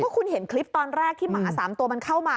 คุณเห็นคลิปตอนแรกที่หมา๓ตัวมันเข้ามา